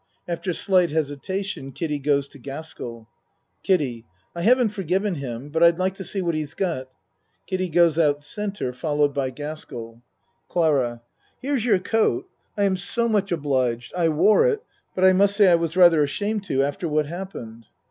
(After slight hesitation Kiddie goes to Gaskell.) KIDDIE I haven't forgiven him, but I'd like to see what he's got. (Kiddie goes out C. followed by Gaskell.) CLARA Here's your coat. I am so much obliged. I wore it but I must say I was rather ashamed to after what happened.